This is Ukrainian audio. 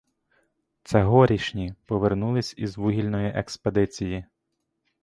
Це горішні повернулись із вугільної експедиції.